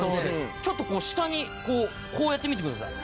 ちょっとこう下にこうこうやってみてください。